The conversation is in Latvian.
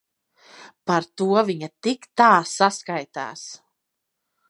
Par to viņa tik tā saskaitās.